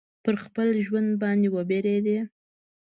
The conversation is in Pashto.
پر خپل ژوند باندي وبېرېدی.